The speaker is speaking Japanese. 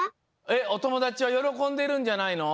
えっおともだちはよろこんでるんじゃないの？